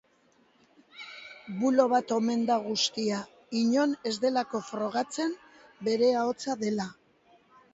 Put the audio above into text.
Bulo bat omen da guztia, inon ez delako frogatzen bere ahotsa dela.